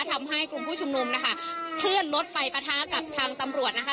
ทำให้กลุ่มผู้ชุมนุมนะคะเคลื่อนรถไปปะทะกับทางตำรวจนะคะ